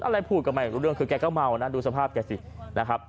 อะไรพูดก็ไม่รู้เรื่องคือแกก็เมานะดูสภาพแกสินะครับ